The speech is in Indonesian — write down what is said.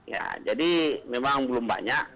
ya jadi memang belum banyak